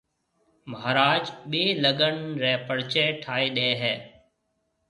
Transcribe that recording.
مھاراج ٻيَ لڳن رَي پريچيَ ٺائيَ ڏَي ھيَََ